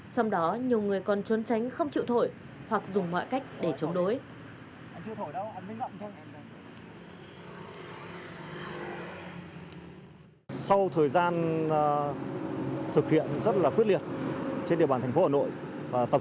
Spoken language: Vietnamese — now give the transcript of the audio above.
trong đó nhiều người còn trốn tránh không chịu thổi hoặc dùng mọi cách để chống đối